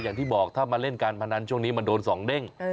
อย่างที่บอกถ้ามาเล่นการพนันช่วงนี้มันโดน๒เด้ง